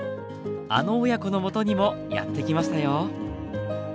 あの親子のもとにもやって来ましたよ。